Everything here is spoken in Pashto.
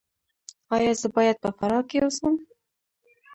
ایا زه باید په فراه کې اوسم؟